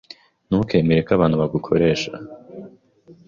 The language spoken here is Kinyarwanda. Ntukemere ko abantu bagukoresha.